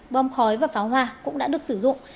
bom khói và pháo hoa cũng đã được sử dụng